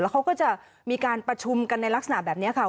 เขาก็จะมีการประชุมกันในลักษณะแบบนี้ค่ะ